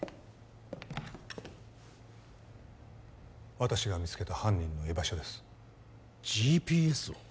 私が見つけた犯人の居場所ですＧＰＳを？